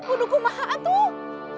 buduku mahaan tuh